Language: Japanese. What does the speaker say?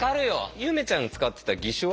ゆめちゃんが使ってた義手は？